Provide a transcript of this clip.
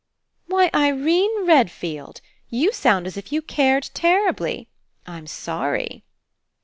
"Why, Irene Redfield! You sound as if you cared terribly. I'm sorry."